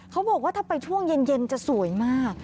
เขาบอกว่าถ้าไปช่วงเย็นจะสวยมาก